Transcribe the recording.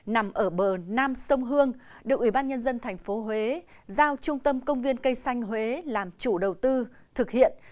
nằm ở bờ nam sông hương được ủy ban nhân dân tp huế giao trung tâm công viên cây xanh huế làm chủ đầu tư thực hiện